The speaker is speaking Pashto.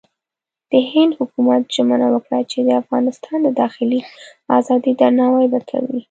د هند حکومت ژمنه وکړه چې د افغانستان د داخلي ازادۍ درناوی به کوي.